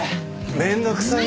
面倒くさいな。